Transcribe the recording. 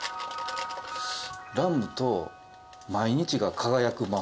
ラムと毎日が輝く魔法。